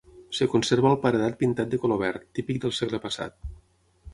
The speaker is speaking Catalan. Es conserva el paredat pintat de color verd, típic del segle passat.